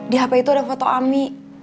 di hp itu ada foto ami